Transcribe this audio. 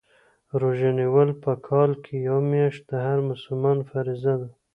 روژه نیول په کال کي یوه میاشت د هر مسلمان فریضه ده